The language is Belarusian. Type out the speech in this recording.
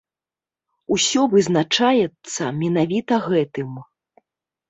Усё вызначаецца менавіта гэтым.